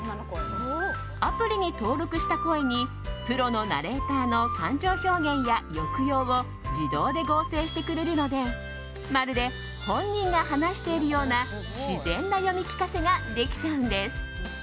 アプリに登録した声にプロのナレーターの感情表現や抑揚を自動で合成してくれるのでまるで本人が話しているような自然な読み聞かせができちゃうんです。